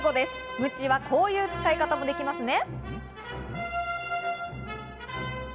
ムチはこういう使い方もできますね。